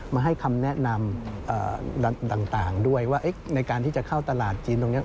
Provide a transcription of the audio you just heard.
มาให้คำแนะนำต่างด้วยว่าในการที่จะเข้าตลาดจีนตรงนี้